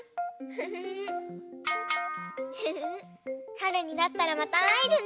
はるになったらまたあえるね。